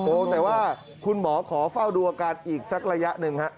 แต่ว่าคุณหมอขอเฝ้าดูอาการอีกสักระยะหนึ่งฮะ